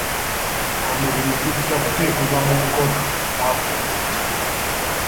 Omulimu gujja kuteekebwa mu nkola omwaka ogujja.